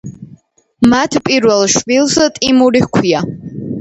მათ პირველ შვილს ტიმური ჰქვია.